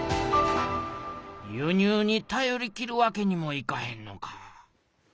輸入にたよりきるわけにもいかへんのか。